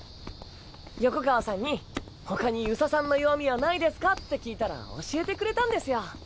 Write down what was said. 横川さんに他に遊佐さんの弱みはないですかって聞いたら教えてくれたんですよ。